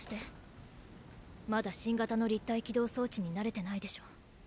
まだ新型の立体機動装置に慣れてないでしょ？